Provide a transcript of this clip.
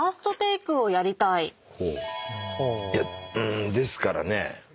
いやですからね。